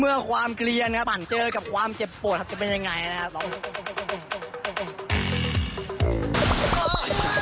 เมื่อความเกลียนครับหันเจอกับความเจ็บปวดครับจะเป็นยังไงนะครับ